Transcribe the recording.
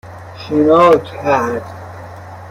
شنا کرد